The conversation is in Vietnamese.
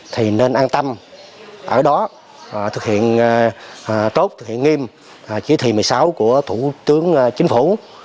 thì nên an tâm ở đó thực hiện tốt thực hiện nghiêm chỉ thị một mươi sáu của thủ tướng chính phủ